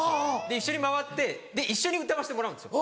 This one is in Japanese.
一緒に回って一緒に歌わせてもらうんですよ。